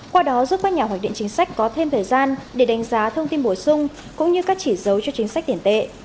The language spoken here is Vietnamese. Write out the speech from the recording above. qua đó giúp các nhà hoạch định chính sách có thêm thời gian để đánh giá thông tin bổ sung cũng như các chỉ dấu cho chính sách tiền tệ